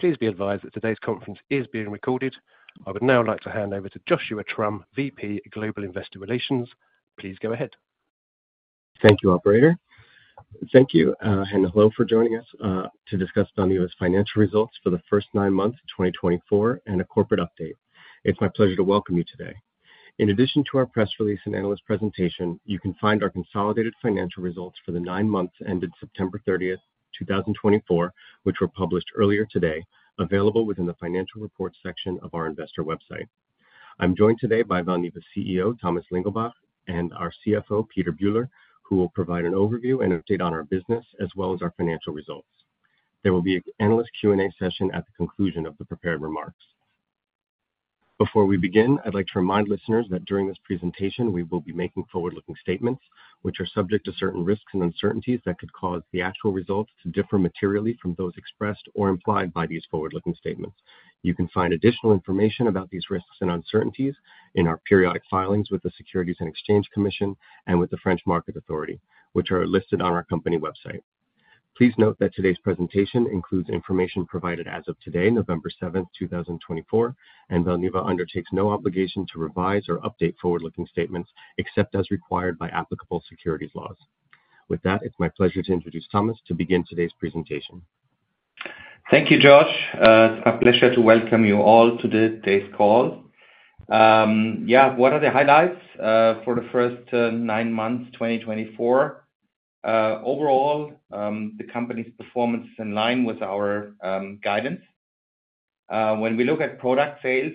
Please be advised that today's conference is being recorded. I would now like to hand over to Joshua Drumm, VP Global Investor Relations. Please go ahead. Thank you, Operator. Thank you, and hello for joining us to discuss Valneva's financial results for the first nine months of 2024 and a corporate update. It's my pleasure to welcome you today. In addition to our press release and analyst presentation, you can find our consolidated financial results for the nine months ended September 30, 2024, which were published earlier today, available within the Financial Reports section of our investor website. I'm joined today by Valneva's CEO, Thomas Lingelbach, and our CFO, Peter Bühler, who will provide an overview and update on our business as well as our financial results. There will be an analyst Q&A session at the conclusion of the prepared remarks. Before we begin, I'd like to remind listeners that during this presentation, we will be making forward-looking statements, which are subject to certain risks and uncertainties that could cause the actual results to differ materially from those expressed or implied by these forward-looking statements. You can find additional information about these risks and uncertainties in our periodic filings with the Securities and Exchange Commission and with the French Market Authority, which are listed on our company website. Please note that today's presentation includes information provided as of today, November 7, 2024, and Valneva undertakes no obligation to revise or update forward-looking statements except as required by applicable securities laws. With that, it's my pleasure to introduce Thomas to begin today's presentation. Thank you, Josh. It's my pleasure to welcome you all to today's call. Yeah, what are the highlights for the first nine months of 2024? Overall, the company's performance is in line with our guidance. When we look at product sales,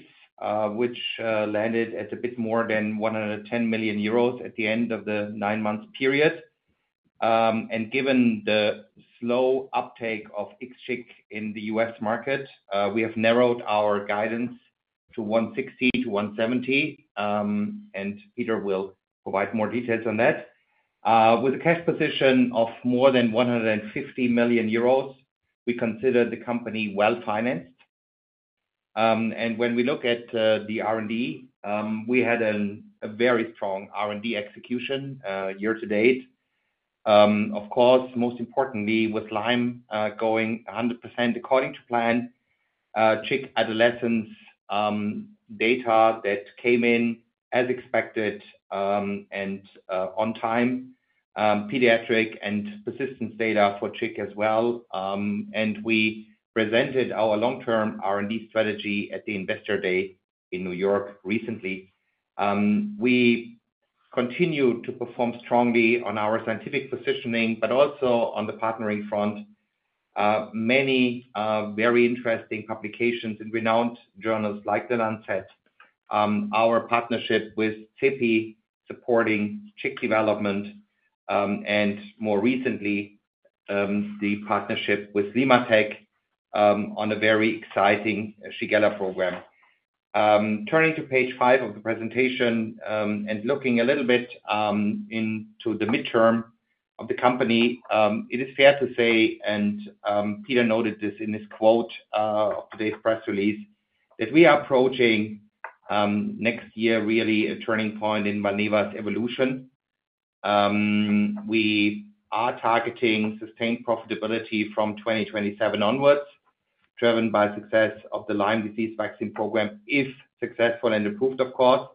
which landed at a bit more than 110 million euros at the end of the nine-month period, and given the slow uptake of IXCHIQ in the U.S. market, we have narrowed our guidance to 160 to 170, and Peter will provide more details on that. With a cash position of more than 150 million euros, we consider the company well-financed. And when we look at the R&D, we had a very strong R&D execution year to date. Of course, most importantly, with Lyme going 100% according to plan, XCHIC adolescent data that came in as expected and on time, pediatric and persistence data for XCHIC as well. We presented our long-term R&D strategy at the Investor Day in New York recently. We continue to perform strongly on our scientific positioning, but also on the partnering front. Many very interesting publications in renowned journals like The Lancet, our partnership with CEPI supporting IXCHIQ development, and more recently, the partnership with LimmaTech on a very exciting Shigella program. Turning to page five of the presentation and looking a little bit into the mid-term of the company, it is fair to say, and Peter noted this in his quote of today's press release, that we are approaching next year really a turning point in Valneva's evolution. We are targeting sustained profitability from 2027 onwards, driven by success of the Lyme disease vaccine program, if successful and approved, of course.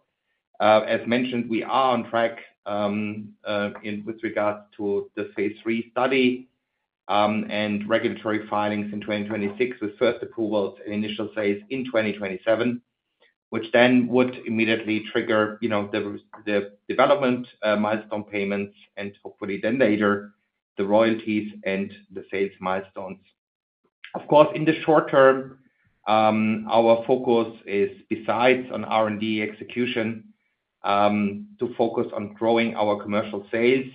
As mentioned, we are on track with regards to the phase three study and regulatory filings in 2026 with first approvals and initial phase in 2027, which then would immediately trigger the development milestone payments and hopefully then later the royalties and the sales milestones. Of course, in the short term, our focus is, besides on R&D execution, to focus on growing our commercial sales.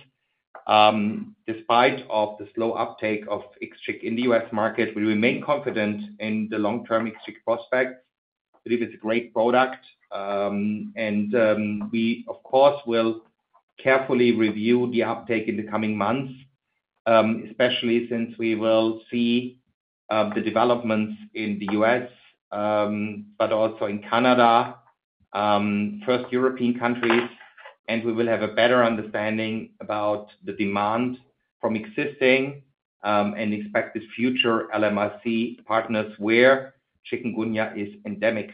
Despite the slow uptake of IXCHIQ in the U.S. market, we remain confident in the long-term IXCHIQ prospects. I believe it's a great product. And we, of course, will carefully review the uptake in the coming months, especially since we will see the developments in the U.S., but also in Canada, first European countries, and we will have a better understanding about the demand from existing and expected future LMIC partners where chikungunya is endemic.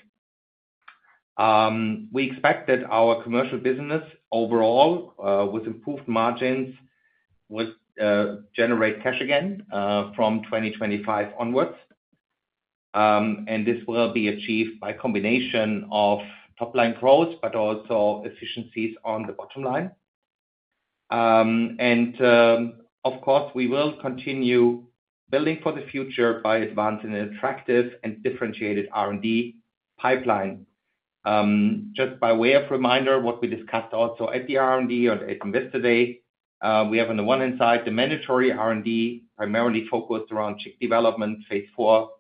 We expect that our commercial business overall, with improved margins, will generate cash again from 2025 onwards. And this will be achieved by a combination of top-line growth, but also efficiencies on the bottom line. And of course, we will continue building for the future by advancing an attractive and differentiated R&D pipeline. Just by way of reminder, what we discussed also at the R&D and at Investor Day, we have on the one hand side the mandatory R&D primarily focused around IXCHIQ development, phase four,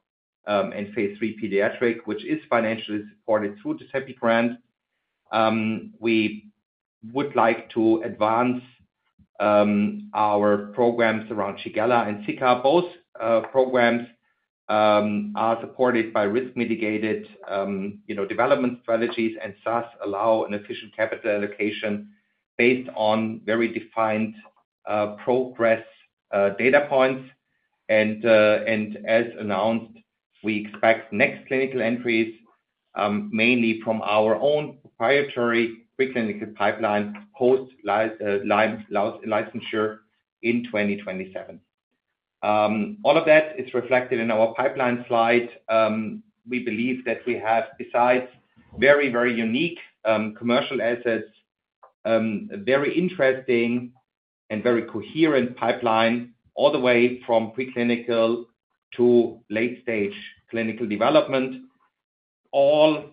and phase three pediatric, which is financially supported through the CEPI grant. We would like to advance our programs around Shigella and Zika. Both programs are supported by risk-mitigated development strategies and thus allow an efficient capital allocation based on very defined progress data points. And as announced, we expect next clinical entries mainly from our own proprietary preclinical pipeline post-Lyme licensure in 2027. All of that is reflected in our pipeline slide. We believe that we have, besides very, very unique commercial assets, a very interesting and very coherent pipeline all the way from preclinical to late-stage clinical development. All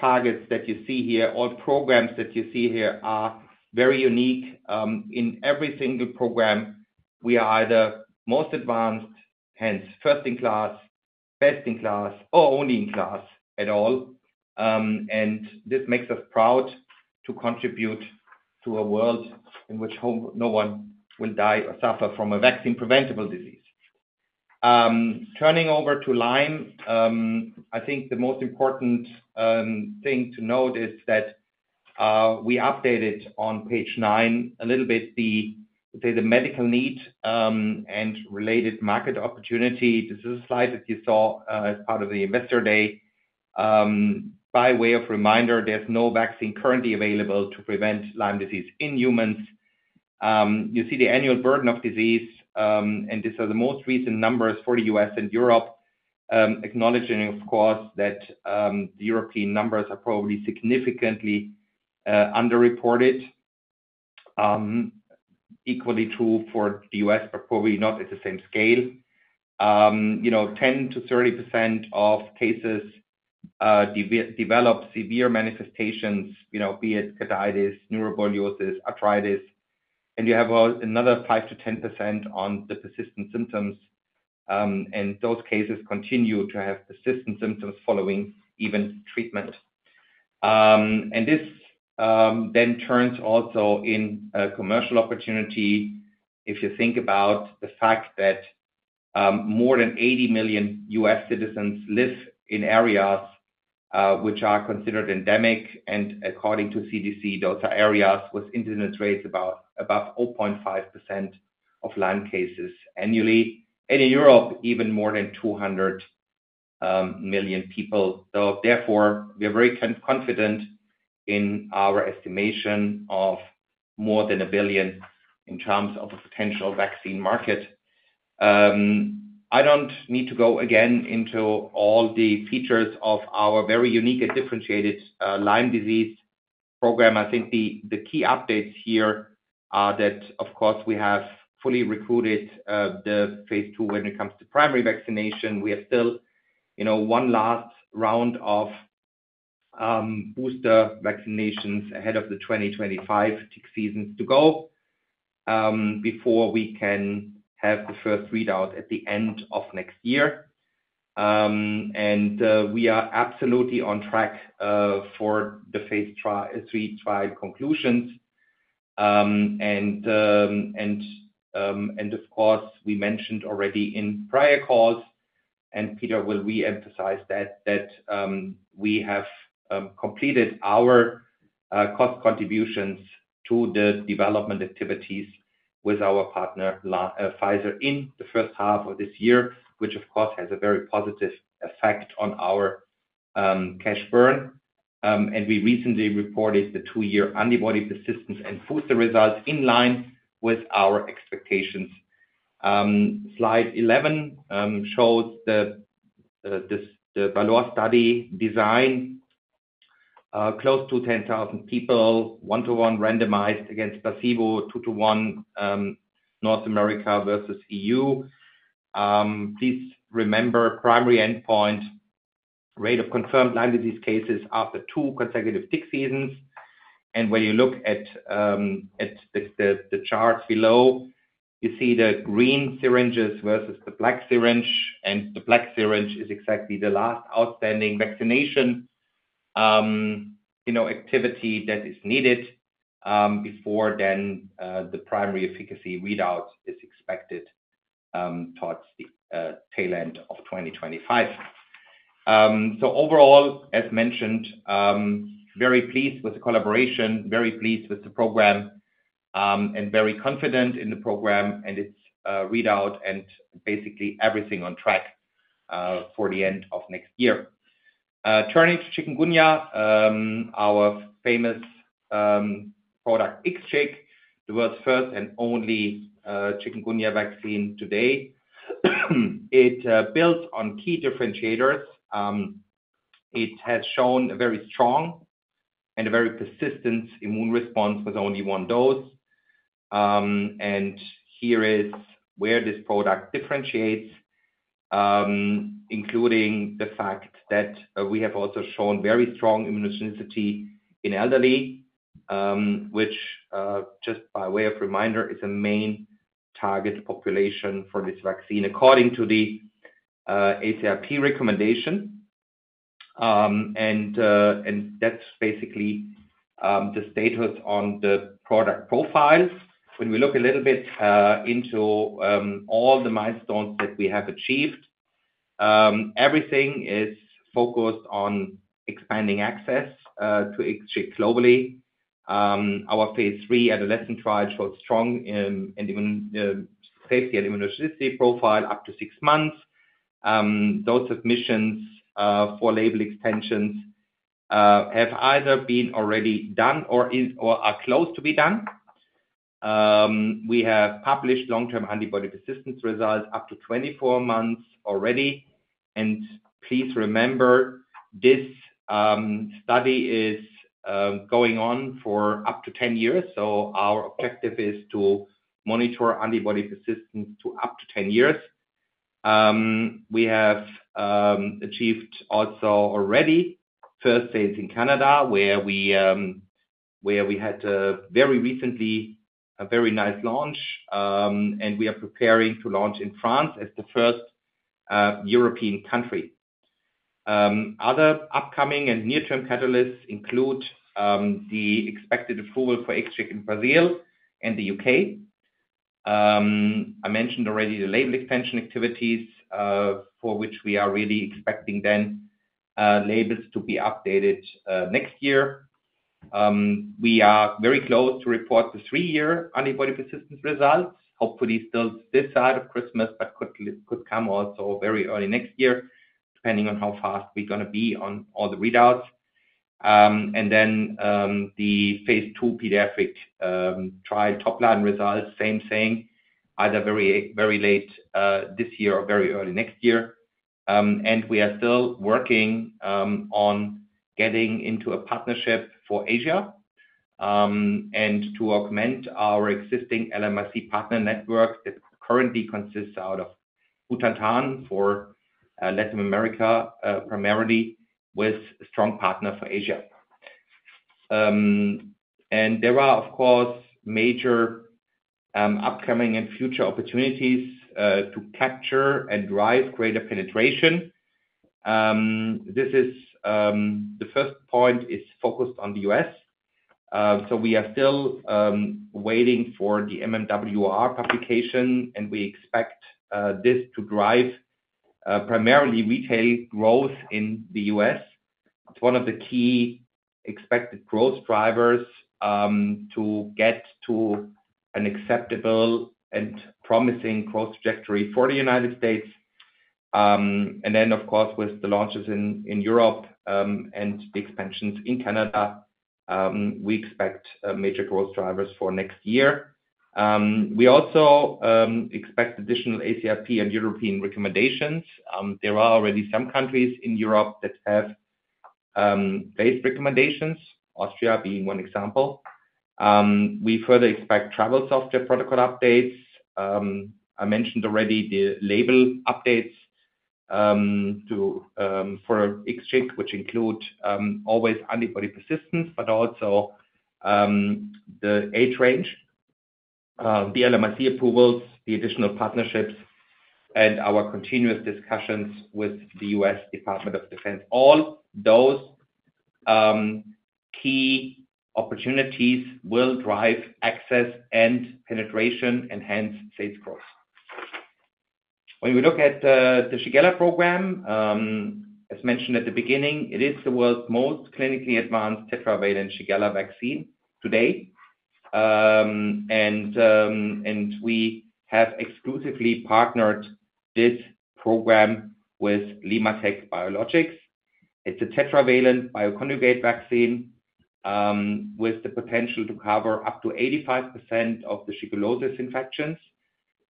targets that you see here, all programs that you see here are very unique. In every single program, we are either most advanced, hence first in class, best in class, or only in class at all. And this makes us proud to contribute to a world in which no one will die or suffer from a vaccine-preventable disease. Turning over to LimmaTech, I think the most important thing to note is that we updated on page nine a little bit the medical need and related market opportunity. This is a slide that you saw as part of the Investor Day. By way of reminder, there's no vaccine currently available to prevent Lyme disease in humans. You see the annual burden of disease, and these are the most recent numbers for the U.S. and Europe, acknowledging, of course, that the European numbers are probably significantly underreported. Equally true for the U.S., but probably not at the same scale. 10%-30% of cases develop severe manifestations, be it carditis, neuroborreliosis, arthritis, and you have another 5%-10% on the persistent symptoms. And those cases continue to have persistent symptoms following even treatment, and this then turns also in a commercial opportunity if you think about the fact that more than 80 million U.S. citizens live in areas which are considered endemic. And according to CDC, those are areas with incidence rates above 0.5% of Lyme cases annually, and in Europe, even more than 200 million people. Therefore, we are very confident in our estimation of more than a billion in terms of a potential vaccine market. I don't need to go again into all the features of our very unique and differentiated Lyme disease program. I think the key updates here are that, of course, we have fully recruited the phase two when it comes to primary vaccination. We have still one last round of booster vaccinations ahead of the 2025 tick season to go before we can have the first readout at the end of next year, and we are absolutely on track for the phase three trial conclusions. And of course, we mentioned already in prior calls, and Peter will re-emphasize that, that we have completed our cost contributions to the development activities with our partner Pfizer in the first half of this year, which, of course, has a very positive effect on our cash burn. And we recently reported the two-year antibody persistence and booster results in line with our expectations. Slide 11 shows the Valneva study design, close to 10,000 people, one-to-one randomized against placebo, two-to-one North America versus EU. Please remember primary endpoint, rate of confirmed Lyme disease cases after two consecutive tick seasons. And when you look at the charts below, you see the green syringes versus the black syringe, and the black syringe is exactly the last outstanding vaccination activity that is needed before then the primary efficacy readout is expected towards the tail end of 2025. Overall, as mentioned, very pleased with the collaboration, very pleased with the program, and very confident in the program and its readout and basically everything on track for the end of next year. Turning to chikungunya, our famous product IXCHIQ, the world's first and only chikungunya vaccine today. It builds on key differentiators. It has shown a very strong and a very persistent immune response with only one dose. Here is where this product differentiates, including the fact that we have also shown very strong immunogenicity in elderly, which just by way of reminder, is a main target population for this vaccine according to the ACIP recommendation. That's basically the status on the product profile. When we look a little bit into all the milestones that we have achieved, everything is focused on expanding access to IXCHIQ globally. Our phase three adolescent trial showed strong safety and immunogenicity profile up to six months. Those submissions for label extensions have either been already done or are close to be done. We have published long-term antibody persistence results up to 24 months already, and please remember, this study is going on for up to 10 years, so our objective is to monitor antibody persistence to up to 10 years. We have achieved also already first sales in Canada, where we had very recently a very nice launch, and we are preparing to launch in France as the first European country. Other upcoming and near-term catalysts include the expected approval for IXCHIQ in Brazil and the UK. I mentioned already the label extension activities for which we are really expecting the labels to be updated next year. We are very close to report the three-year antibody persistence results, hopefully still this side of Christmas, but could come also very early next year, depending on how fast we're going to be on all the readouts, and then the phase two pediatric trial top-line results, same thing, either very late this year or very early next year. And we are still working on getting into a partnership for Asia and to augment our existing LMRC partner network that currently consists out of Butantan for Latin America primarily with a strong partner for Asia, and there are, of course, major upcoming and future opportunities to capture and drive greater penetration. This is the first point is focused on the U.S., so we are still waiting for the MMWR publication, and we expect this to drive primarily retail growth in the U.S. It's one of the key expected growth drivers to get to an acceptable and promising growth trajectory for the United States, and then, of course, with the launches in Europe and the expansions in Canada, we expect major growth drivers for next year. We also expect additional ACIP and European recommendations. There are already some countries in Europe that have phased recommendations, Austria being one example. We further expect travel safety protocol updates. I mentioned already the label updates for IXCHIQ, which include as well as antibody persistence, but also the age range, the LMRC approvals, the additional partnerships, and our continuous discussions with the U.S. Department of Defense. All those key opportunities will drive access and penetration and hence sales growth. When we look at the Shigella program, as mentioned at the beginning, it is the world's most clinically advanced tetravalent Shigella vaccine today. And we have exclusively partnered this program with LimmaTech Biologics. It's a tetravalent bioconjugate vaccine with the potential to cover up to 85% of the shigellosis infections.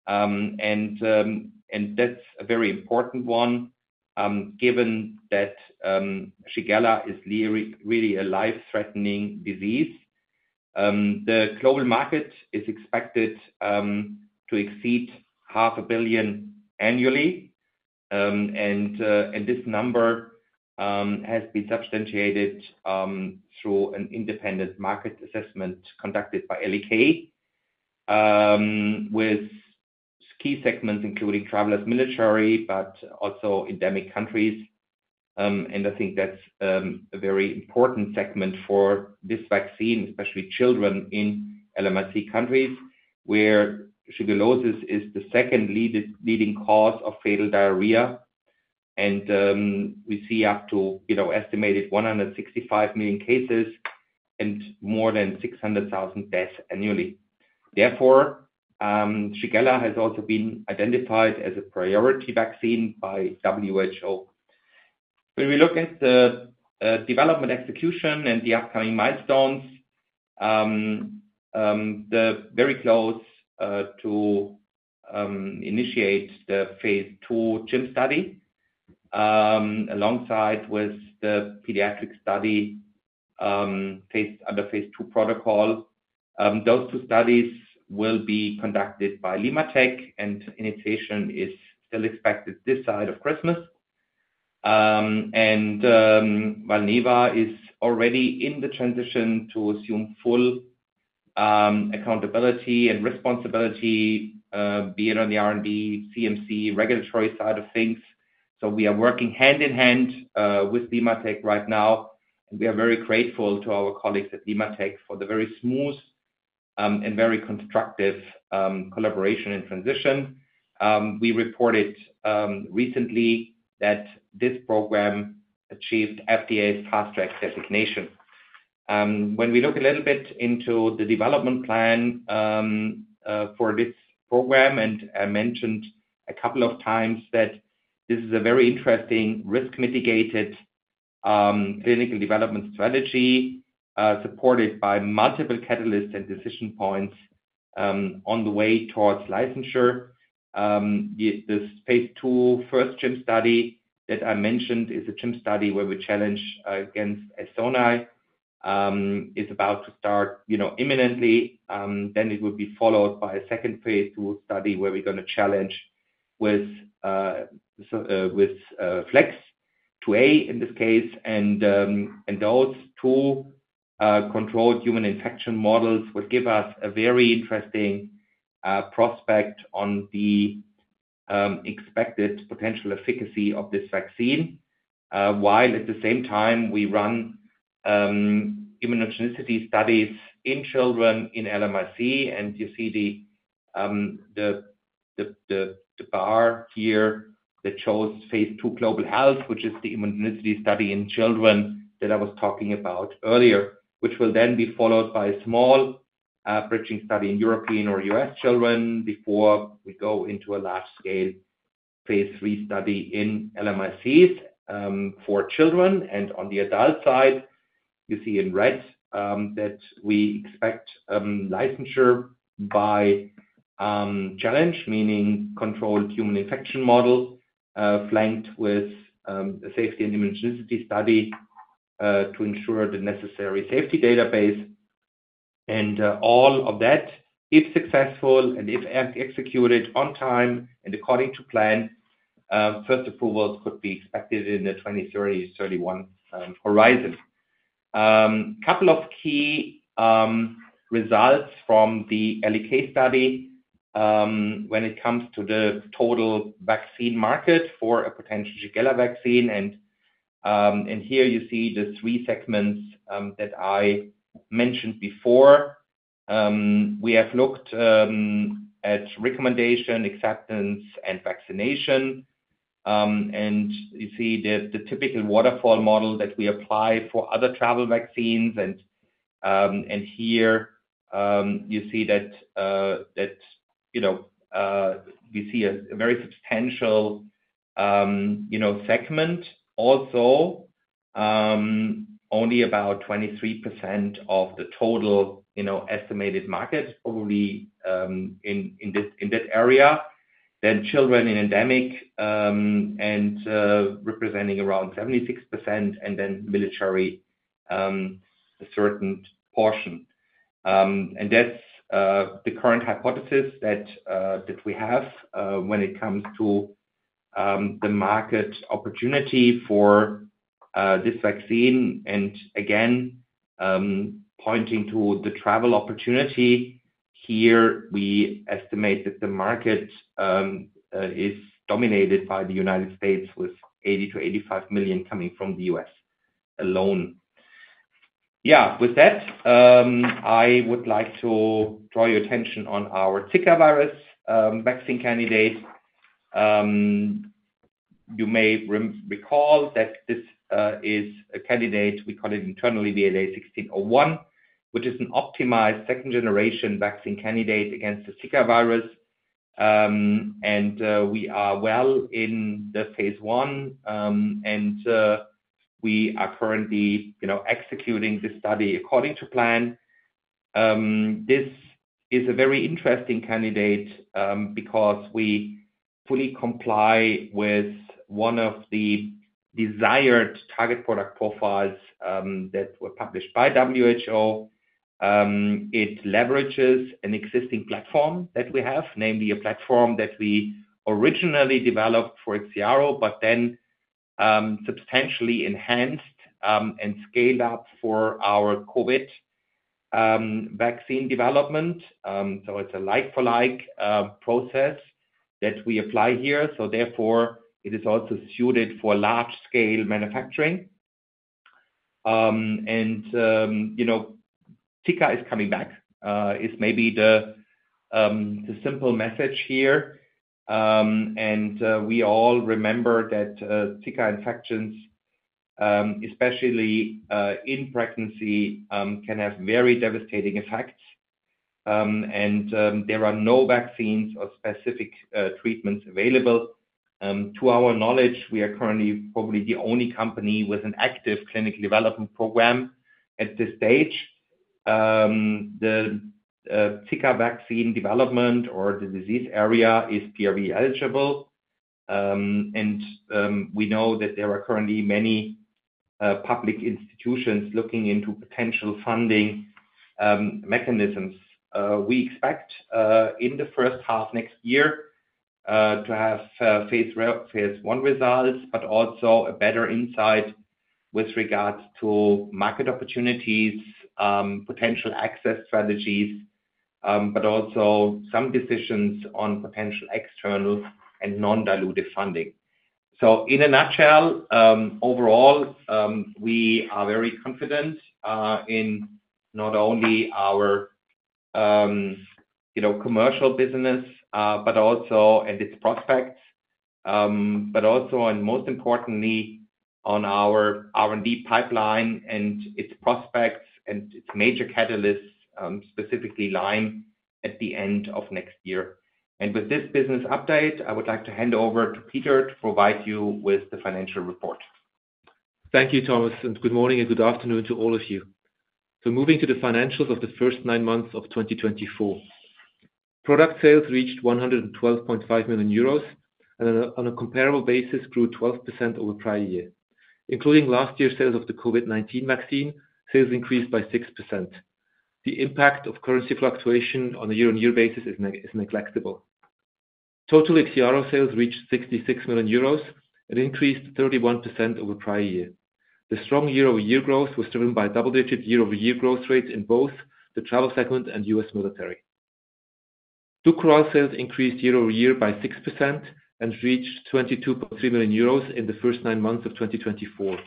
And that's a very important one given that Shigella is really a life-threatening disease. The global market is expected to exceed $500 million annually. And this number has been substantiated through an independent market assessment conducted by L.E.K. with key segments, including travelers, military, but also endemic countries. And I think that's a very important segment for this vaccine, especially children in LMRC countries, where shigellosis is the second leading cause of fatal diarrhea. And we see up to estimated 165 million cases and more than 600,000 deaths annually. Therefore, Shigella has also been identified as a priority vaccine by WHO. When we look at the development execution and the upcoming milestones, we're very close to initiate the phase two CHIM study alongside with the pediatric study under phase two protocol. Those two studies will be conducted by LimmaTech, and initiation is still expected this side of Christmas. And Valneva is already in the transition to assume full accountability and responsibility, be it on the R&D, CMC, regulatory side of things. So we are working hand in hand with LimmaTech right now. And we are very grateful to our colleagues at LimmaTech for the very smooth and very constructive collaboration and transition. We reported recently that this program achieved FDA's fast-track designation. When we look a little bit into the development plan for this program, and I mentioned a couple of times that this is a very interesting risk-mitigated clinical development strategy supported by multiple catalysts and decision points on the way towards licensure. This phase 2 first CHIM study that I mentioned is a CHIM study where we challenge against Sonnei is about to start imminently. Then it will be followed by a second phase 2 study where we're going to challenge with Flex 2a in this case. And those two controlled human infection models would give us a very interesting prospect on the expected potential efficacy of this vaccine. While at the same time, we run immunogenicity studies in children in LMRC. And you see the bar here that shows phase 2 global health, which is the immunogenicity study in children that I was talking about earlier, which will then be followed by a small bridging study in European or U.S. children before we go into a large-scale phase 3 study in LMRCs for children. And on the adult side, you see in red that we expect licensure by challenge, meaning controlled human infection model flanked with a safety and immunogenicity study to ensure the necessary safety database. And all of that, if successful and if executed on time and according to plan, first approvals could be expected in the 2030-31 horizon. A couple of key results from the L.E.K. study when it comes to the total vaccine market for a potential Shigella vaccine. And here you see the three segments that I mentioned before. We have looked at recommendation, acceptance, and vaccination, and you see the typical waterfall model that we apply for other travel vaccines, and here you see that we see a very substantial segment, also only about 23% of the total estimated market, probably in that area. Then children in endemic and representing around 76%, and then military a certain portion, and that's the current hypothesis that we have when it comes to the market opportunity for this vaccine, and again, pointing to the travel opportunity, here we estimate that the market is dominated by the United States with $80-$85 million coming from the U.S. alone. Yeah, with that, I would like to draw your attention on our Zika virus vaccine candidate. You may recall that this is a candidate we call it internally VLA1601, which is an optimized second-generation vaccine candidate against the Zika virus. We are well in the phase one, and we are currently executing this study according to plan. This is a very interesting candidate because we fully comply with one of the desired target product profiles that were published by WHO. It leverages an existing platform that we have, namely a platform that we originally developed for IXIARO, but then substantially enhanced and scaled up for our COVID vaccine development. So it's a like-for-like process that we apply here. So therefore, it is also suited for large-scale manufacturing. And Zika is coming back is maybe the simple message here. And we all remember that Zika infections, especially in pregnancy, can have very devastating effects. And there are no vaccines or specific treatments available. To our knowledge, we are currently probably the only company with an active clinical development program at this stage. The Zika vaccine development or the disease area is PRV eligible. We know that there are currently many public institutions looking into potential funding mechanisms. We expect in the first half next year to have phase one results, but also a better insight with regards to market opportunities, potential access strategies, but also some decisions on potential external and non-dilutive funding. In a nutshell, overall, we are very confident in not only our commercial business, but also in its prospects, but also and most importantly, on our R&D pipeline and its prospects and its major catalysts, specifically Lyme at the end of next year. With this business update, I would like to hand over to Peter to provide you with the financial report. Thank you, Thomas. Good morning and good afternoon to all of you. Moving to the financials of the first nine months of 2024. Product sales reached 112.5 million euros and on a comparable basis grew 12% over prior year. Including last year's sales of the COVID-19 vaccine, sales increased by 6%. The impact of currency fluctuation on a year-on-year basis is negligible. Total IXIARO sales reached 66 million euros and increased 31% over prior year. The strong year-over-year growth was driven by double-digit year-over-year growth rates in both the travel segment and U.S. military. Dukoral sales increased year-over-year by 6% and reached 22.3 million euros in the first nine months of 2024.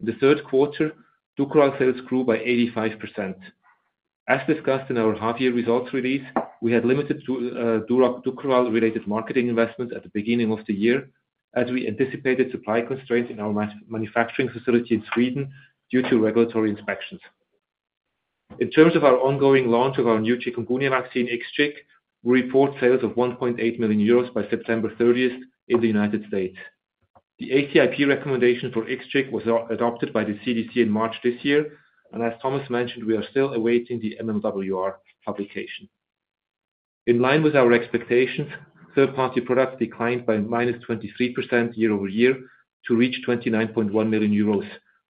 In the third quarter, Dukoral sales grew by 85%. As discussed in our half-year results release, we had limited Dukoral-related marketing investments at the beginning of the year as we anticipated supply constraints in our manufacturing facility in Sweden due to regulatory inspections. In terms of our ongoing launch of our new chikungunya vaccine, IXCHIQ, we report sales of 1.8 million euros by September 30th in the United States. The ACIP recommendation for IXCHIQ was adopted by the CDC in March this year. And as Thomas mentioned, we are still awaiting the MMWR publication. In line with our expectations, third-party products declined by -23% year-over-year to reach 29.1 million euros,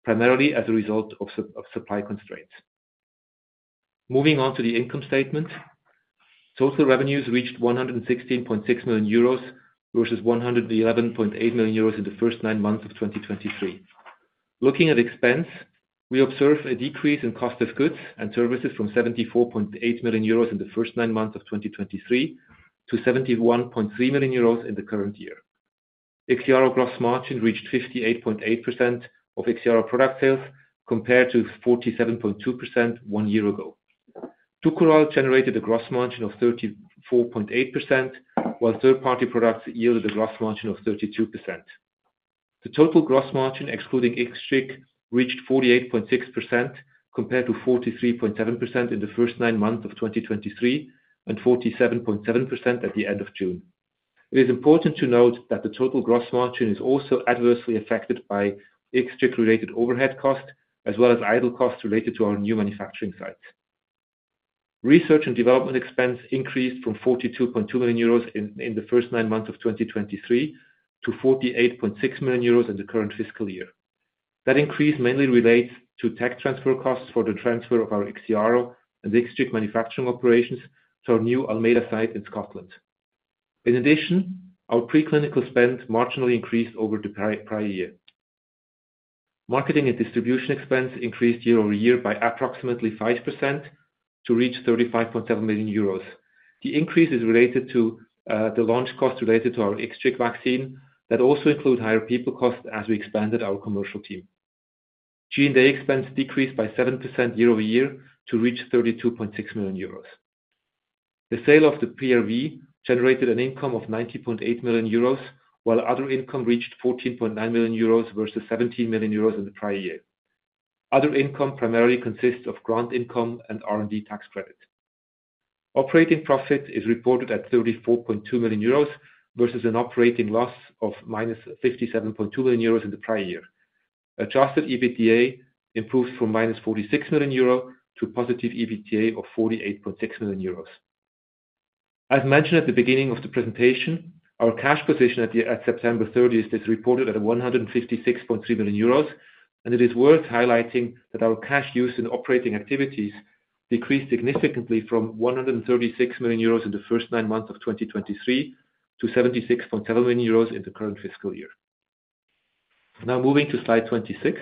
primarily as a result of supply constraints. Moving on to the income statement, total revenues reached 116.6 million euros versus 111.8 million euros in the first nine months of 2023. Looking at expense, we observe a decrease in cost of goods and services from 74.8 million euros in the first nine months of 2023 to 71.3 million euros in the current year. IXIARO gross margin reached 58.8% of IXIARO product sales compared to 47.2% one year ago. DUKORAL generated a gross margin of 34.8%, while third-party products yielded a gross margin of 32%. The total gross margin, excluding IXCHIQ, reached 48.6% compared to 43.7% in the first nine months of 2023 and 47.7% at the end of June. It is important to note that the total gross margin is also adversely affected by IXCHIQ-related overhead costs, as well as idle costs related to our new manufacturing sites. Research and development expense increased from 42.2 million euros in the first nine months of 2023 to 48.6 million euros in the current fiscal year. That increase mainly relates to tech transfer costs for the transfer of our IXIARO and IXCHIQ manufacturing operations to our new Almeida site in Scotland. In addition, our preclinical spend marginally increased over the prior year. Marketing and distribution expense increased year-over-year by approximately 5% to reach 35.7 million euros. The increase is related to the launch costs related to our IXCHIQ vaccine that also include higher people costs as we expanded our commercial team. G&A expense decreased by 7% year-over-year to reach 32.6 million euros. The sale of the PRV generated an income of 90.8 million euros, while other income reached 14.9 million euros versus 17 million euros in the prior year. Other income primarily consists of grant income and R&D tax credit. Operating profit is reported at 34.2 million euros versus an operating loss of -57.2 million euros in the prior year. Adjusted EBITDA improves from -46 million euros to positive EBITDA of 48.6 million euros. As mentioned at the beginning of the presentation, our cash position at September 30th is reported at 156.3 million euros. It is worth highlighting that our cash used in operating activities decreased significantly from 136 million euros in the first nine months of 2023 to 76.7 million euros in the current fiscal year. Now moving to slide 26.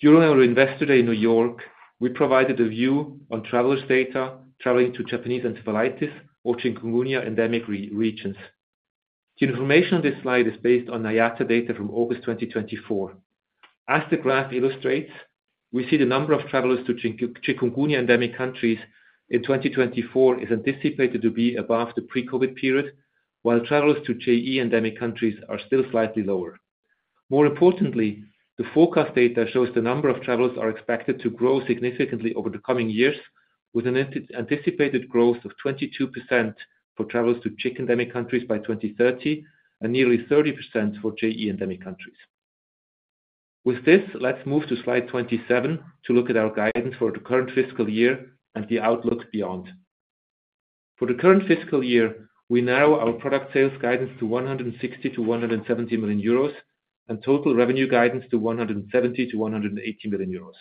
During our investor day in New York, we provided a view on travelers' data traveling to Japanese encephalitis or chikungunya endemic regions. The information on this slide is based on IATA data from August 2024. As the graph illustrates, we see the number of travelers to chikungunya endemic countries in 2024 is anticipated to be above the pre-COVID period, while travelers to JE endemic countries are still slightly lower. More importantly, the forecast data shows the number of travelers are expected to grow significantly over the coming years, with an anticipated growth of 22% for travelers to chikungunya endemic countries by 2030 and nearly 30% for JE endemic countries. With this, let's move to slide 27 to look at our guidance for the current fiscal year and the outlook beyond. For the current fiscal year, we narrow our product sales guidance to 160 million-170 million euros and total revenue guidance to 170 million-180 million euros.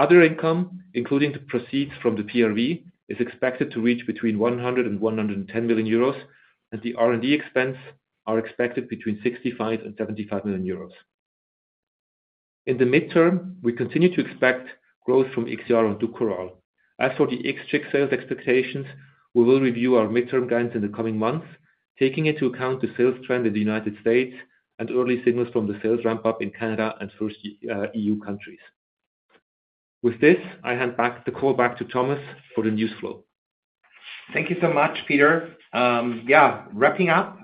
Other income, including the proceeds from the PRV, is expected to reach between 100-110 million euros, and the R&D expense is expected to be between 65 million-75 million euros. In the midterm, we continue to expect growth from IXIARO and DUKORAL. As for the IXCHIQ sales expectations, we will review our midterm guidance in the coming months, taking into account the sales trend in the United States and early signals from the sales ramp-up in Canada and first EU countries. With this, I hand back the call back to Thomas for the news flow. Thank you so much, Peter. Yeah, wrapping up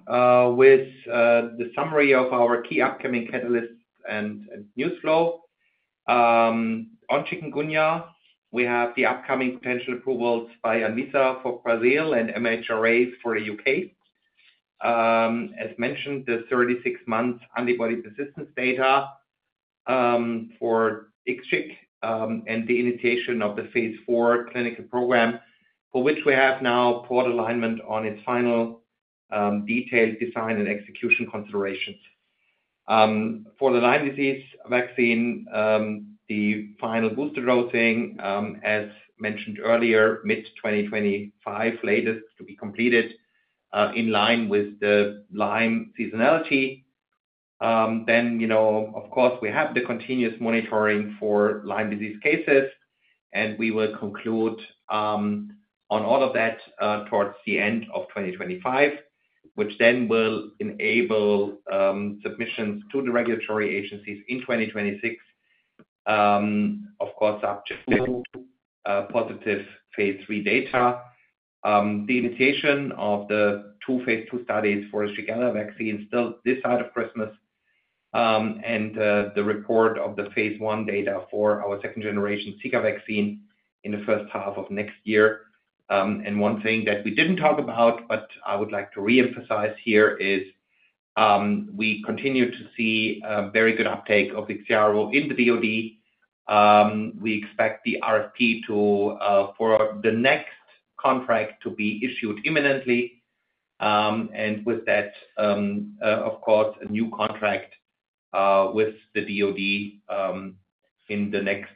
with the summary of our key upcoming catalysts and news flow. On chikungunya, we have the upcoming potential approvals by Anvisa for Brazil and MHRA for the UK. As mentioned, the 36-month antibody persistence data for IXCHIQ and the initiation of the phase four clinical program, for which we have now brought alignment on its final detailed design and execution considerations. For the Lyme disease vaccine, the final booster dosing, as mentioned earlier, mid-2025 latest to be completed in line with the Lyme seasonality. Then, of course, we have the continuous monitoring for Lyme disease cases, and we will conclude on all of that towards the end of 2025, which then will enable submissions to the regulatory agencies in 2026, of course, subject to positive phase three data. The initiation of the two phase 2 studies for the Shigella vaccine is still this side of Christmas, and the report of the phase 1 data for our second-generation Zika vaccine in the first half of next year. One thing that we didn't talk about, but I would like to re-emphasize here is we continue to see very good uptake of IXIARO in the DOD. We expect the RFP for the next contract to be issued imminently. With that, of course, a new contract with the DOD in the next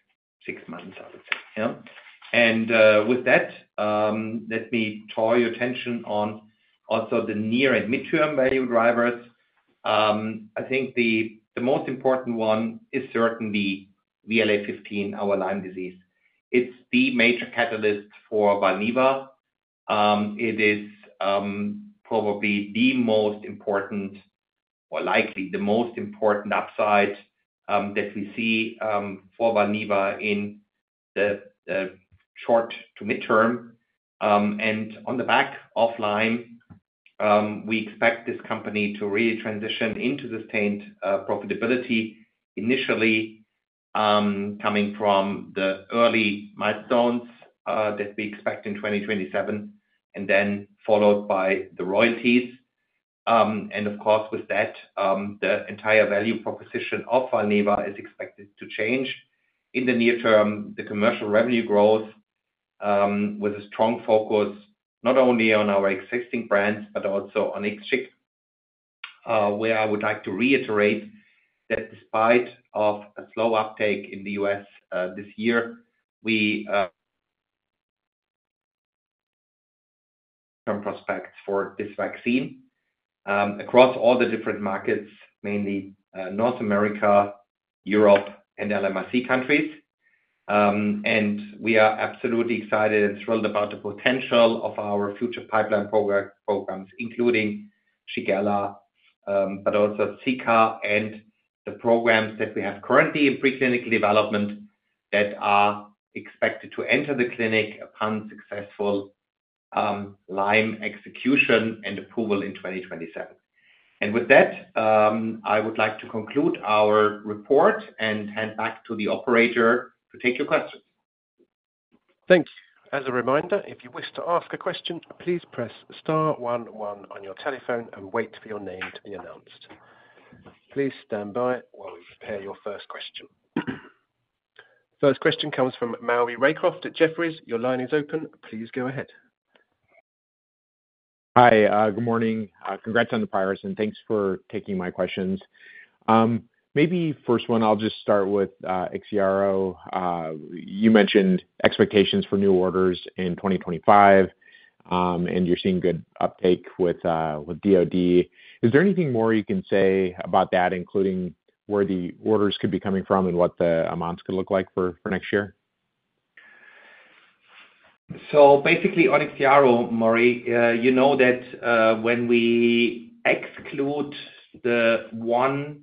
six months, I would say. With that, let me draw your attention to also the near- and midterm value drivers. I think the most important one is certainly VLA15, our Lyme disease. It's the major catalyst for Valneva. It is probably the most important, or likely the most important upside that we see for Valneva in the short to midterm, and on the back of Lyme, we expect this company to really transition into sustained profitability, initially coming from the early milestones that we expect in 2027, and then followed by the royalties. And of course, with that, the entire value proposition of Valneva is expected to change in the near term. The commercial revenue growth with a strong focus not only on our existing brands, but also on IXCHIQ, where I would like to reiterate that despite a slow uptake in the U.S. this year, we have prospects for this vaccine across all the different markets, mainly North America, Europe, and LMRC countries. We are absolutely excited and thrilled about the potential of our future pipeline programs, including Shigella, but also Zika, and the programs that we have currently in preclinical development that are expected to enter the clinic upon successful Lyme execution and approval in 2027. With that, I would like to conclude our report and hand back to the operator to take your questions. Thank you. As a reminder, if you wish to ask a question, please press star 11 on your telephone and wait for your name to be announced. Please stand by while we prepare your first question. First question comes from Maury Raycroft at Jefferies. Your line is open. Please go ahead. Hi, good morning. Congrats on the progress, and thanks for taking my questions. Maybe first one, I'll just start with IXIARO. You mentioned expectations for new orders in 2025, and you're seeing good uptake with DOD. Is there anything more you can say about that, including where the orders could be coming from and what the amounts could look like for next year? So basically on IXIARO, Maury, you know that when we exclude the one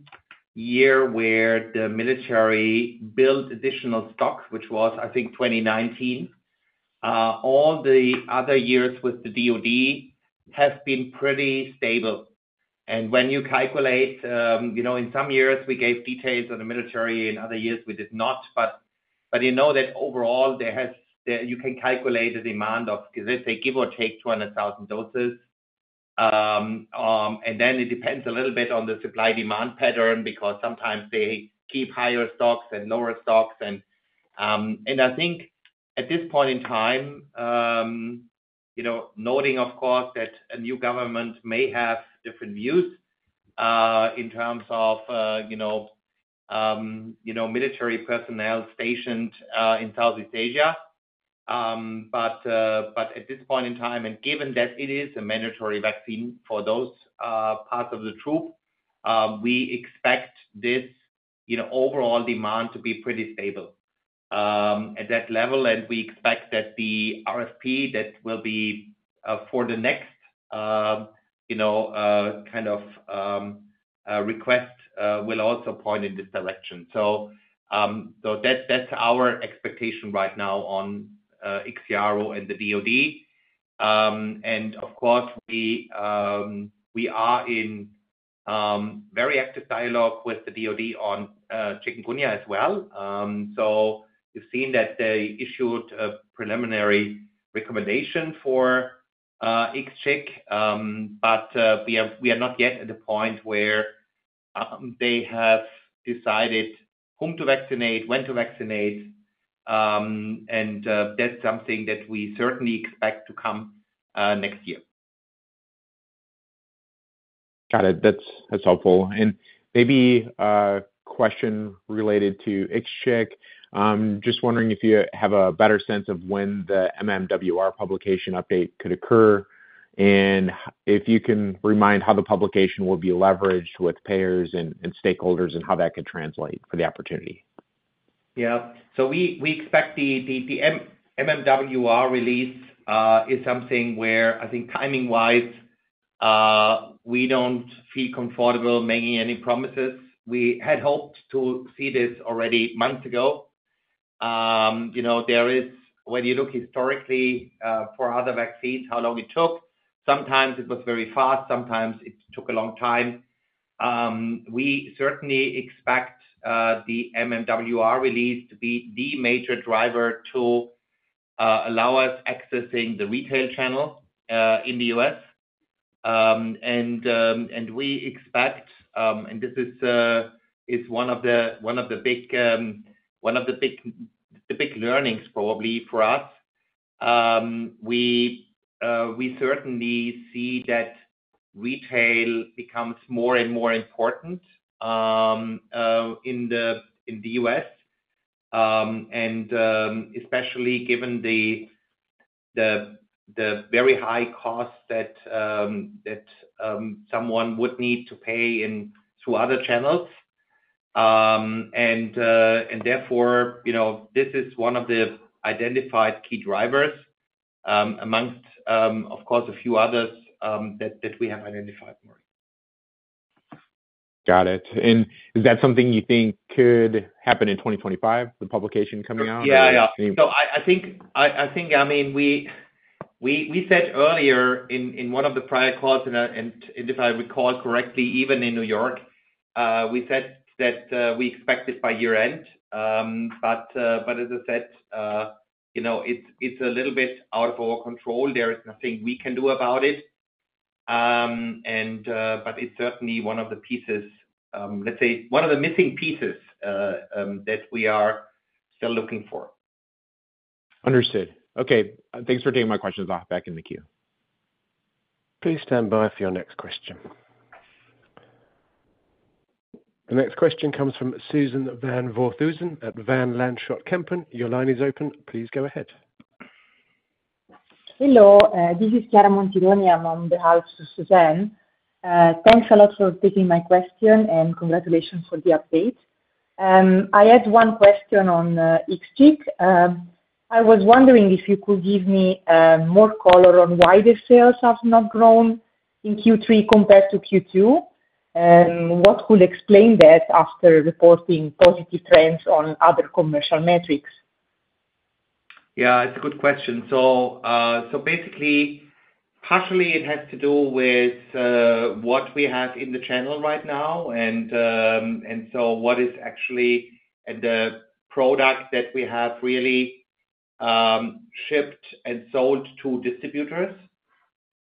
year where the military built additional stock, which was, I think, 2019, all the other years with the DOD have been pretty stable. And when you calculate, in some years, we gave details on the military, and other years, we did not. But you know that overall, you can calculate the demand of, let's say, give or take 200,000 doses. And then it depends a little bit on the supply-demand pattern because sometimes they keep higher stocks and lower stocks. I think at this point in time, noting, of course, that a new government may have different views in terms of military personnel stationed in Southeast Asia. But at this point in time, and given that it is a mandatory vaccine for those parts of the troops, we expect this overall demand to be pretty stable at that level. And we expect that the RFP that will be for the next kind of request will also point in this direction. So that's our expectation right now on IXIARO and the DOD. And of course, we are in very active dialogue with the DOD on chikungunya as well. So you've seen that they issued a preliminary recommendation for IXCHIQ, but we are not yet at the point where they have decided whom to vaccinate, when to vaccinate. And that's something that we certainly expect to come next year. Got it. That's helpful. And maybe a question related to IXCHIQ. Just wondering if you have a better sense of when the MMWR publication update could occur, and if you can remind how the publication will be leveraged with payers and stakeholders and how that could translate for the opportunity. Yeah. So we expect the MMWR release is something where, I think, timing-wise, we don't feel comfortable making any promises. We had hoped to see this already months ago. When you look historically for other vaccines, how long it took, sometimes it was very fast, sometimes it took a long time. We certainly expect the MMWR release to be the major driver to allow us accessing the retail channel in the U.S., and we expect, and this is one of the big learnings probably for us. We certainly see that retail becomes more and more important in the U.S., and especially given the very high costs that someone would need to pay through other channels. And therefore, this is one of the identified key drivers amongst, of course, a few others that we have identified, Maury. Got it. And is that something you think could happen in 2025, the publication coming out? Yeah, yeah. So I think, I mean, we said earlier in one of the prior calls, and if I recall correctly, even in New York, we said that we expect it by year-end. But as I said, it's a little bit out of our control. There is nothing we can do about it. But it's certainly one of the pieces, let's say, one of the missing pieces that we are still looking for. Understood. Okay. Thanks for taking my questions off back in the queue. Please stand by for your next question. The next question comes from Suzanne van Voorthuizen at Van Lanschot Kempen. Your line is open. Please go ahead. Hello. This is Chiara Montironi. I'm on behalf of Suzanne. Thanks a lot for taking my question, and congratulations for the update. I had one question on IXCHIQ. I was wondering if you could give me more color on why the sales have not grown in Q3 compared to Q2. What could explain that after reporting positive trends on other commercial metrics? Yeah, it's a good question. So basically, partially, it has to do with what we have in the channel right now, and so what is actually the product that we have really shipped and sold to distributors.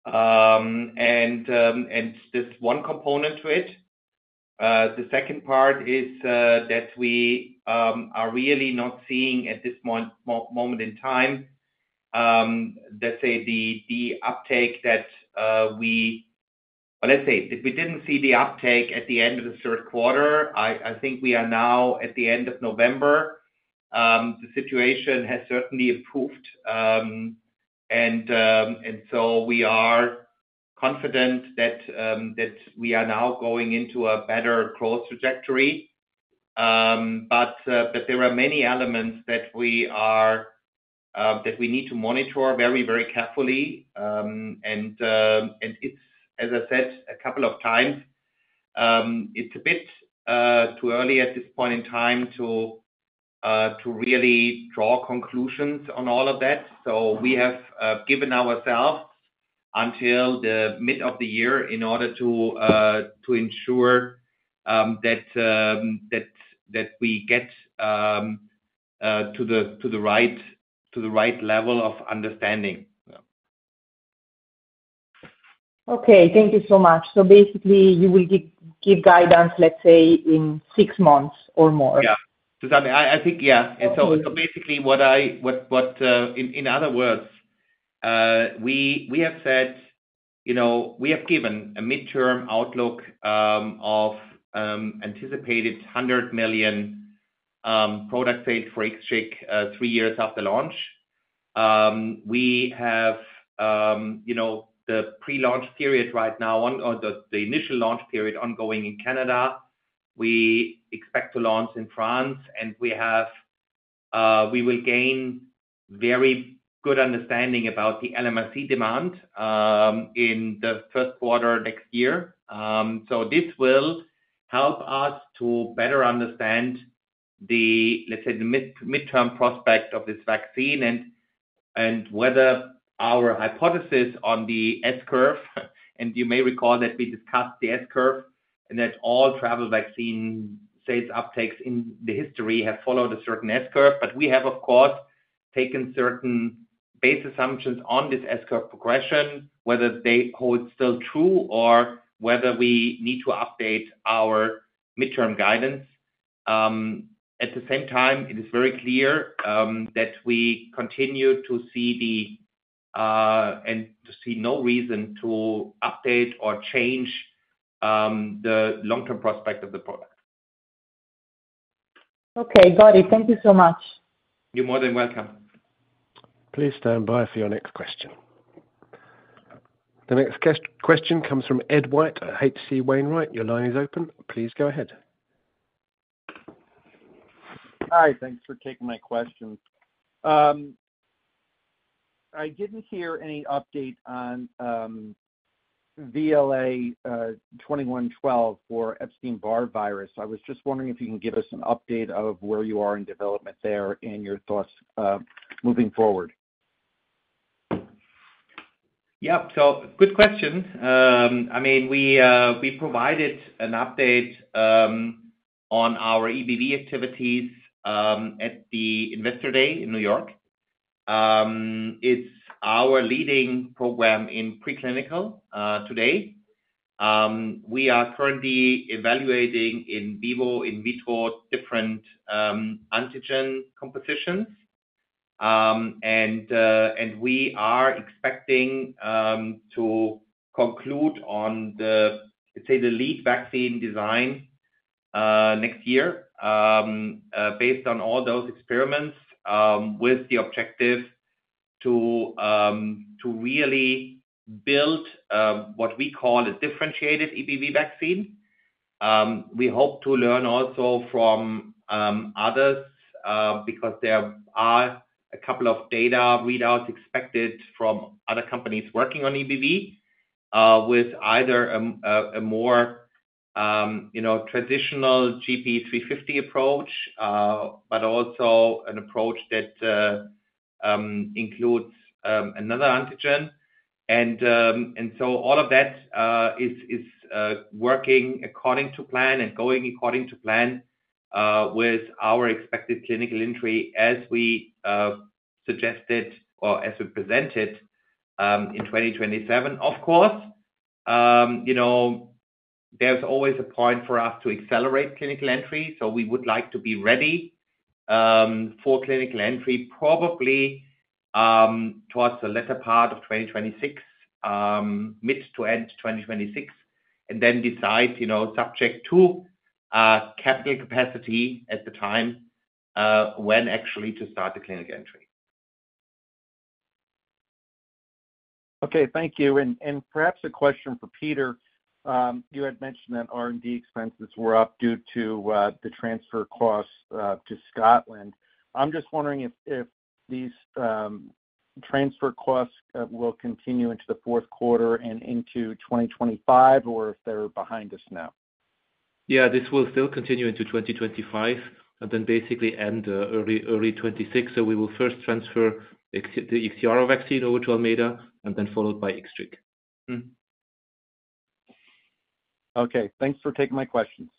And there's one component to it. The second part is that we are really not seeing at this moment in time, let's say, the uptake that we, let's say, that we didn't see at the end of the third quarter. I think we are now at the end of November. The situation has certainly improved. And so we are confident that we are now going into a better growth trajectory. But there are many elements that we need to monitor very, very carefully. And it's, as I said a couple of times, it's a bit too early at this point in time to really draw conclusions on all of that. So we have given ourselves until the mid of the year in order to ensure that we get to the right level of understanding. Okay. Thank you so much. So basically, you will give guidance, let's say, in six months or more. Yeah. I think, yeah, and so basically, in other words, we have said we have given a midterm outlook of anticipated 100 million product sales for IXCHIQ three years after launch. We have the pre-launch period right now, the initial launch period ongoing in Canada. We expect to launch in France, and we will gain very good understanding about the LMRC demand in the first quarter next year, so this will help us to better understand the, Let's say, the midterm prospect of this vaccine and whether our hypothesis on the S-curve, and you may recall that we discussed the S-curve and that all travel vaccine sales uptakes in the history have followed a certain S-curve, but we have, of course, taken certain base assumptions on this S-curve progression, whether they hold still true or whether we need to update our midterm guidance. At the same time, it is very clear that we continue to see, and see no reason to update or change the long-term prospect of the product. Okay. Got it. Thank you so much. You're more than welcome. Please stand by for your next question. The next question comes from Ed White, H.C. Wainwright. Your line is open. Please go ahead. Hi. Thanks for taking my question. I didn't hear any update on VLA211 for Epstein-Barr virus. I was just wondering if you can give us an update of where you are in development there and your thoughts moving forward. Yep. So good question. I mean, we provided an update on our EBV activities at the Investor Day in New York. It's our leading program in preclinical today. We are currently evaluating in vivo in vitro different antigen compositions. We are expecting to conclude on the, let's say, the lead vaccine design next year based on all those experiments with the objective to really build what we call a differentiated EBV vaccine. We hope to learn also from others because there are a couple of data readouts expected from other companies working on EBV with either a more traditional GP350 approach, but also an approach that includes another antigen. And so all of that is working according to plan and going according to plan with our expected clinical entry as we suggested or as we presented in 2027. Of course, there's always a point for us to accelerate clinical entry. So we would like to be ready for clinical entry probably towards the latter part of 2026, mid-to-end 2026, and then decide subject to capital capacity at the time when actually to start the clinical entry. Okay. Thank you. And perhaps a question for Peter. You had mentioned that R&D expenses were up due to the transfer costs to Scotland. I'm just wondering if these transfer costs will continue into the fourth quarter and into 2025, or if they're behind us now. Yeah. This will still continue into 2025 and then basically end early 2026. So we will first transfer the IXIARO vaccine over to Almeida and then followed by IXCHIQ. Okay. Thanks for taking my questions.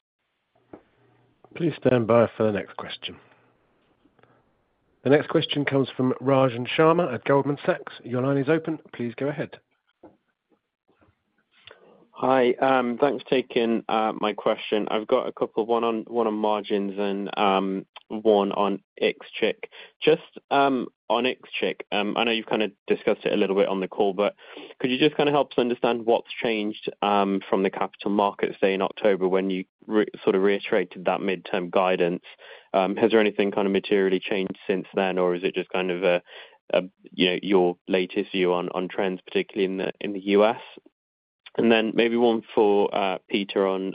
Please stand by for the next question. The next question comes from Rajan Sharma at Goldman Sachs. Your line is open. Please go ahead. Hi. Thanks for taking my question. I've got a couple of one on margins and one on IXCHIQ. Just on IXCHIQ, I know you've kind of discussed it a little bit on the call, but could you just kind of help us understand what's changed from the capital markets day in October when you sort of reiterated that midterm guidance? Has there anything kind of materially changed since then, or is it just kind of your latest view on trends, particularly in the US? And then maybe one for Peter on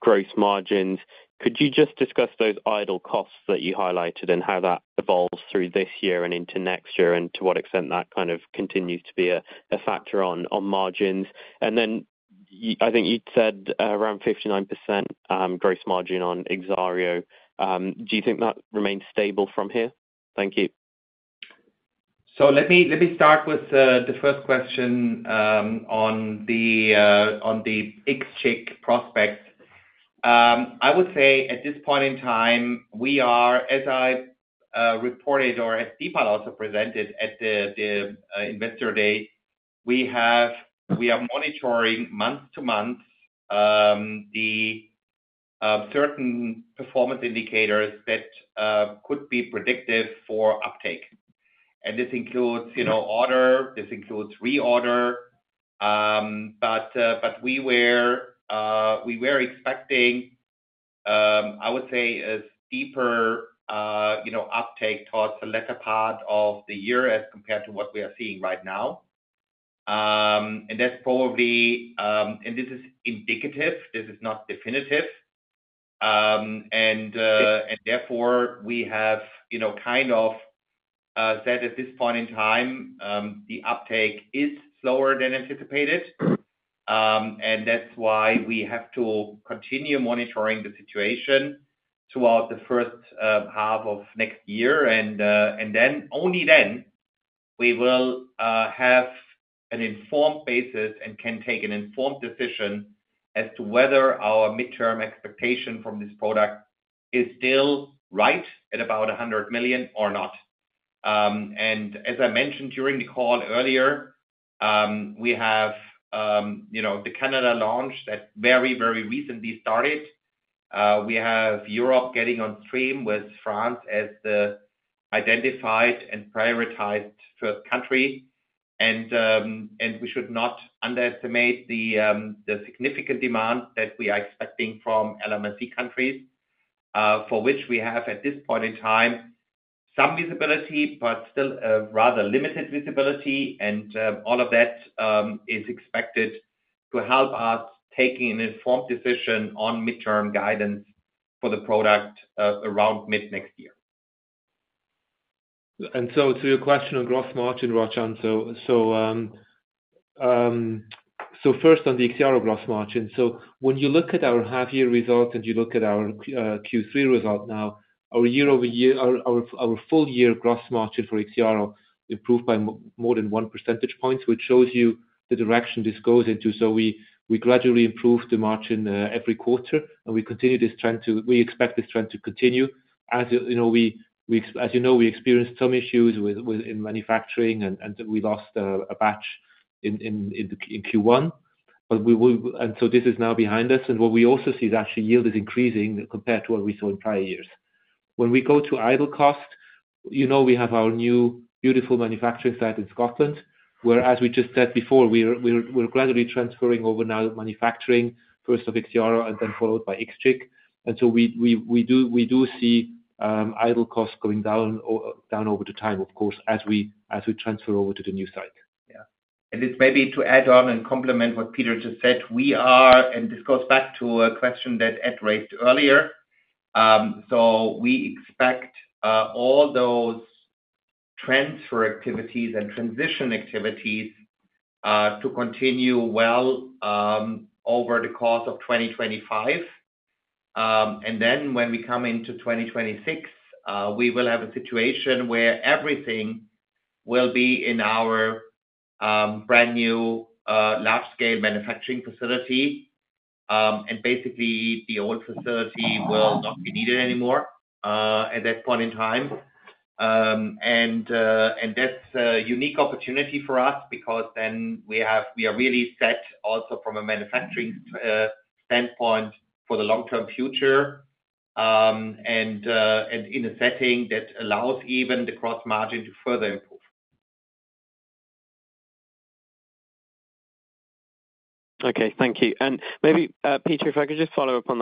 gross margins. Could you just discuss those idle costs that you highlighted and how that evolves through this year and into next year and to what extent that kind of continues to be a factor on margins? And then I think you'd said around 59% gross margin on IXIARO. Do you think that remains stable from here? Thank you. So let me start with the first question on the IXCHIQ prospects. I would say at this point in time, we are, as I reported or as Dipal also presented at the Investor Day, monitoring month to month the certain performance indicators that could be predictive for uptake. And this includes order, this includes reorder. But we were expecting, I would say, a steeper uptake towards the latter part of the year as compared to what we are seeing right now. And this is indicative. This is not definitive. And therefore, we have kind of said at this point in time, the uptake is slower than anticipated. And that's why we have to continue monitoring the situation throughout the first half of next year. And only then we will have an informed basis and can take an informed decision as to whether our midterm expectation from this product is still right at about 100 million or not. As I mentioned during the call earlier, we have the Canada launch that very, very recently started. We have Europe getting on stream with France as the identified and prioritized first country. We should not underestimate the significant demand that we are expecting from LMRC countries, for which we have at this point in time some visibility, but still a rather limited visibility. All of that is expected to help us take an informed decision on midterm guidance for the product around mid next year. To your question on gross margin, Rajan, so first on the IXIARO gross margin. When you look at our half-year results and you look at our Q3 result now, our full-year gross margin for IXIARO improved by more than one percentage point, which shows you the direction this goes into. So we gradually improved the margin every quarter, and we continue this trend to we expect this trend to continue. As you know, we experienced some issues in manufacturing, and we lost a batch in Q1. And so this is now behind us. And what we also see is actually yield is increasing compared to what we saw in prior years. When we go to idle cost, we have our new beautiful manufacturing site in Scotland, where, as we just said before, we're gradually transferring over now manufacturing, first of IXIARO and then followed by XCHIC. And so we do see idle costs going down over time, of course, as we transfer over to the new site. Yeah. And it's maybe to add on and complement what Peter just said. And this goes back to a question that Ed raised earlier. So we expect all those transfer activities and transition activities to continue well over the course of 2025. And then when we come into 2026, we will have a situation where everything will be in our brand new large-scale manufacturing facility. And basically, the old facility will not be needed anymore at that point in time. And that's a unique opportunity for us because then we are really set also from a manufacturing standpoint for the long-term future and in a setting that allows even the gross margin to further improve. Okay. Thank you. And maybe, Peter, if I could just follow up on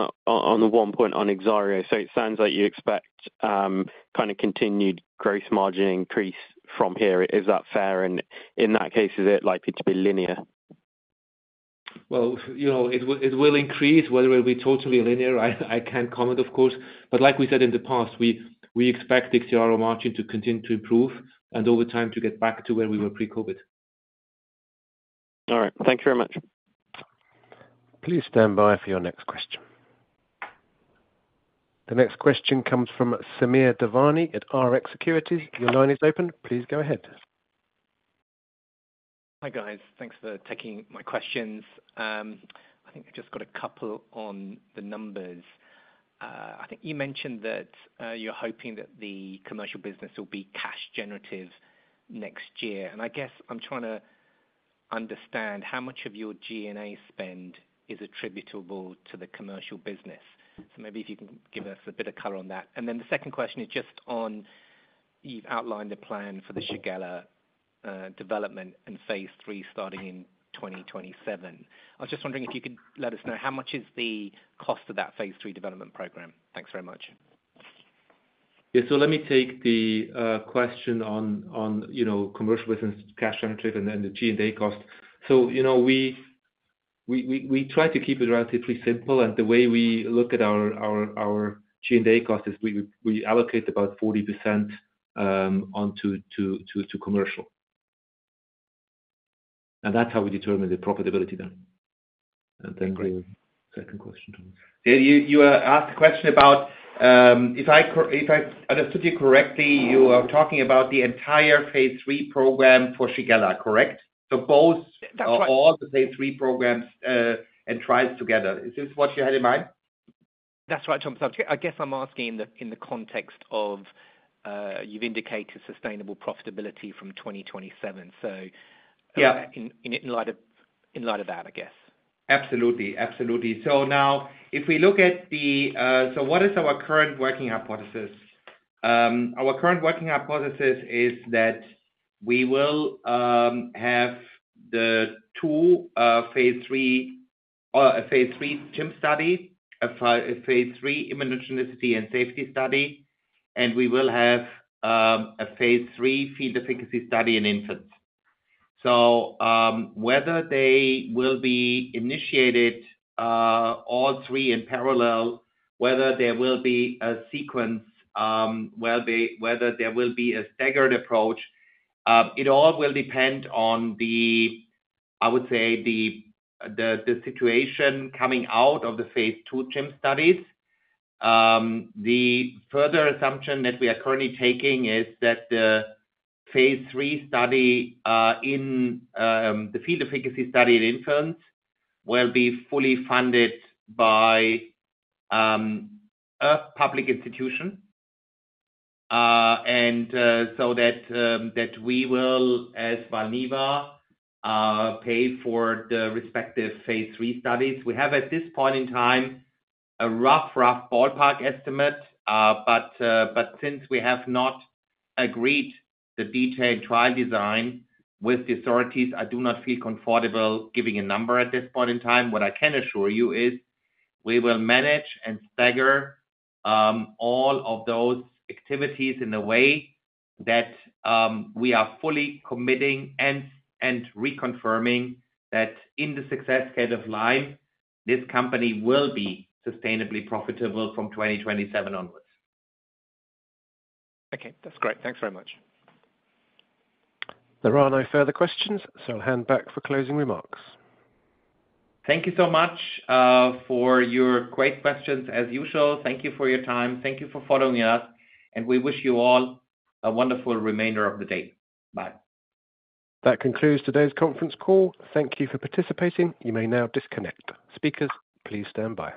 the one point on IXIARO. So it sounds like you expect kind of continued gross margin increase from here. Is that fair? And in that case, is it likely to be linear? Well, it will increase. Whether it will be totally linear, I can't comment, of course. But like we said in the past, we expect IXIARO margin to continue to improve and over time to get back to where we were pre-COVID. All right. Thank you very much. Please stand by for your next question. The next question comes from Samir Devani at RX Securities. Your line is open. Please go ahead. Hi, guys. Thanks for taking my questions. I think I just got a couple on the numbers. I think you mentioned that you're hoping that the commercial business will be cash-generative next year. And I guess I'm trying to understand how much of your G&A spend is attributable to the commercial business. So maybe if you can give us a bit of color on that. And then the second question is just on you've outlined a plan for the Shigella development and phase 3 starting in 2027. I was just wondering if you could let us know how much is the cost of that phase 3 development program. Thanks very much. Yeah. So let me take the question on commercial business cash-generative and the G&A cost. So we try to keep it relatively simple. And the way we look at our G&A cost is we allocate about 40% onto commercial. And that's how we determine the profitability then. And then the second question to me. Yeah. You asked a question about if I understood you correctly, you are talking about the entire phase 3 program for Shigella, correct? So both. That's right. All the phase 3 programs and trials together. Is this what you had in mind? That's right. I guess I'm asking in the context of you've indicated sustainable profitability from 2027. So in light of that, I guess. Absolutely. Absolutely. So now if we look at, so what is our current working hypothesis? Our current working hypothesis is that we will have the two phase 3 or a phase 3 CHIM study, a phase 3 immunogenicity and safety study, and we will have a phase 3 field efficacy study in infants. So whether they will be initiated all three in parallel, whether there will be a sequence, whether there will be a staggered approach, it all will depend on, I would say, the situation coming out of the phase 2 CHIM studies. The further assumption that we are currently taking is that the phase 3 field efficacy study in infants will be fully funded by a public institution. And so that we will, as Valneva, pay for the respective phase three studies. We have, at this point in time, a rough, rough ballpark estimate. But since we have not agreed the detailed trial design with the authorities, I do not feel comfortable giving a number at this point in time. What I can assure you is we will manage and stagger all of those activities in a way that we are fully committing and reconfirming that in the success case of Lyme, this company will be sustainably profitable from 2027 onwards. Okay. That's great. Thanks very much. There are no further questions. So I'll hand back for closing remarks. Thank you so much for your great questions as usual. Thank you for your time. Thank you for following us. And we wish you all a wonderful remainder of the day. Bye. That concludes today's conference call. Thank you for participating. You may now disconnect. Speakers, please stand by.